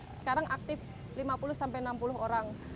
sekarang aktif lima puluh sampai enam puluh orang